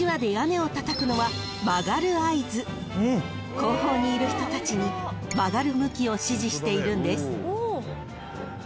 ［後方にいる人たちに曲がる向きを指示しているんです］